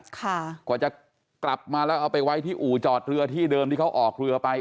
กว่าจะกลับมาแล้วเอาไปไว้ที่อู่จอดเรือที่เดิมที่เขาออกเรือไป